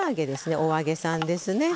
お揚げさんですね。